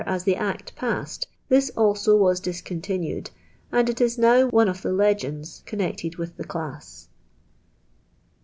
as the Act passed, this also wis disciintinuird. and it is now one of the leci^adi connected with the class.